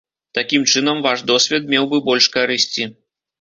Такім чынам ваш досвед меў бы больш карысці.